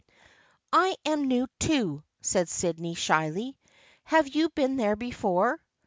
" I am new too," said Sydney, shyly. " Have you been there before